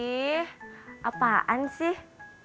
ih apaan sih